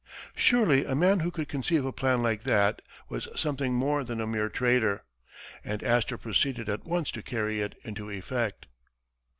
Surely a man who could conceive a plan like that was something more than a mere trader, and Astor proceeded at once to carry it into effect.